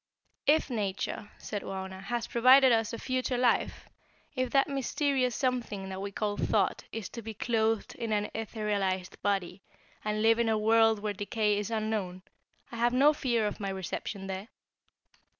"If Nature," said Wauna, "has provided us a future life, if that mysterious something that we call Thought is to be clothed in an etherealized body, and live in a world where decay is unknown, I have no fear of my reception there.